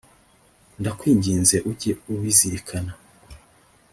Ndakwinginze ujye ubizirikana.